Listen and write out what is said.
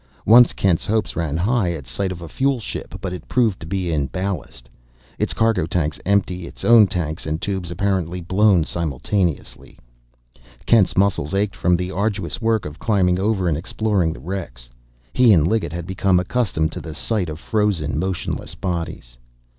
Once Kent's hopes ran high at sight of a fuel ship, but it proved to be in ballast, its cargo tanks empty and its own tanks and tubes apparently blown simultaneously. Kent's muscles ached from the arduous work of climbing over and exploring the wrecks. He and Liggett had become accustomed to the sight of frozen, motionless bodies.